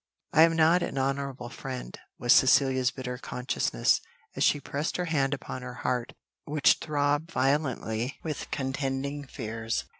"I am not an honourable friend," was Cecilia's bitter consciousness, as she pressed her hand upon her heart, which throbbed violently with contending fears.